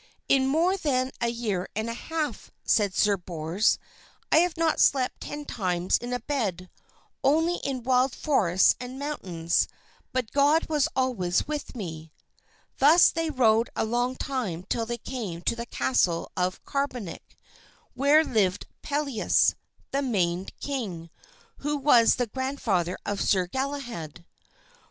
"In more than a year and half," said Sir Bors, "I have not slept ten times in a bed, only in wild forests and mountains; but God was always with me." Thus they rode a long time till they came to the castle of Carbonek, where lived Pelleas, the maimed king, who was the grandfather of Sir Galahad.